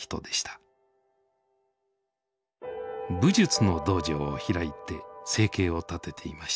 武術の道場を開いて生計を立てていました。